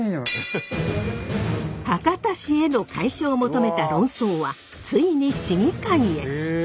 博多市への改称を求めた論争はついに市議会へ。